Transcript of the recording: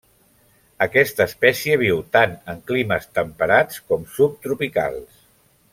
Aquesta espècie viu tant en climes temperats com subtropicals.